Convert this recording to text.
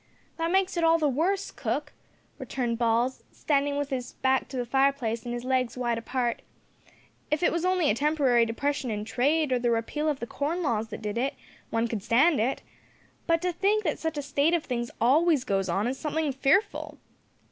"That makes it all the worse, cook," returned Balls, standing with his back to the fireplace and his legs wide apart; "if it was only a temporary depression in trade, or the repeal of the corn laws that did it, one could stand it, but to think that such a state of things always goes on is something fearful.